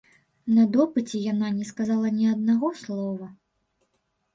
На допыце яна не сказала ні аднаго слова.